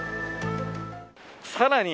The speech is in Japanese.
さらに。